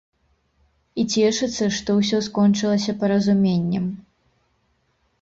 І цешыцца, што ўсё скончылася паразуменнем.